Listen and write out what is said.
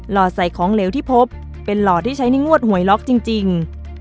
หอดใส่ของเหลวที่พบเป็นหล่อที่ใช้ในงวดหวยล็อกจริง